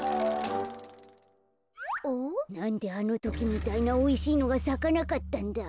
なんであのときみたいなおいしいのがさかなかったんだ。